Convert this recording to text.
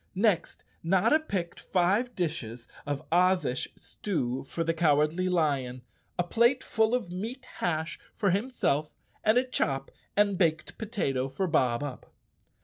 Next, Notta picked five dishes of Ozish stew for the Cowardly Lion, a plate full of meat hash for himself and a chop and baked potato for Bob Up.